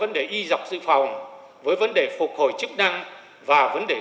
điều trị danh giới của nó với vấn đề y dọc dự phòng với vấn đề phục hồi chức năng và vấn đề